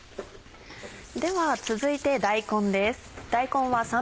では続いて大根です。